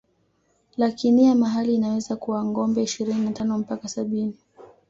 Lakinia mahali inaweza kuwa ngombe ishirini na tano mpaka sabini